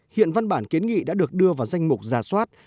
hiện văn bản kiến nghị đã được đưa vào danh mục giả soát